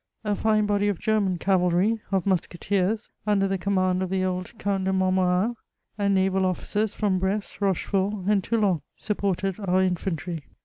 A fine body of German cavalry, of musketeers, under the command of the old Count de Montmorin, and naval officers from Brest, Aochefort, and Toulon, supported our infantry.